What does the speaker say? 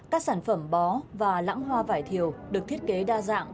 các sản phẩm bó và lãng hoa vải thiều được thiết kế đa dạng